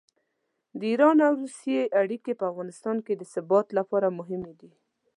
د ایران او روسیې اړیکې په افغانستان کې د ثبات لپاره مهمې دي.